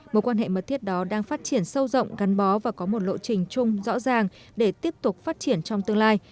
mối quan hệ mật thiết đó đang phát triển sâu rộng gắn bó và có một lộ trình chung rõ ràng để tiếp tục phát triển trong tương lai